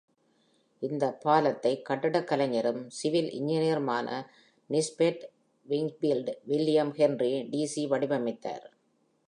இந்த பாலத்தை கட்டிடக் கலைஞரும், சிவில் இன்ஜினியருமான Nisbet Wingfield William Henry Deacy வடிவமைத்தார்.